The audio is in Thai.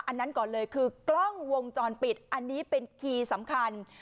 อันนั้นก่อนเลยคือกล้องวงจรปิดอันนี้เป็นคีย์สำคัญ